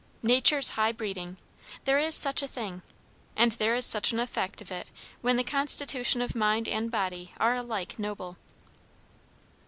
Nature's high breeding; there is such a thing, and there is such an effect of it when the constitution of mind and body are alike noble.